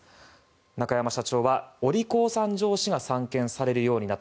中山社長はお利口さん上司が散見されるようになった。